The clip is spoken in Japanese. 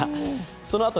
そのあと